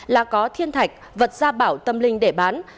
là có thiên thạch vật gia bảo tâm linh để bán